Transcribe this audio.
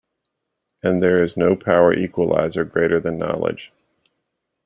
And there is no power-equalizer greater than knowledge.